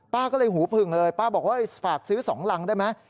ป้าก็เลยหูผึ่งเลยป้าบอกว่าฝากซื้อ๒รังได้ไหม